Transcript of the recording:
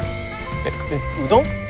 えっえっうどん？